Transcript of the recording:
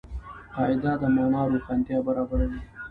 قاعده د مانا روښانتیا برابروي.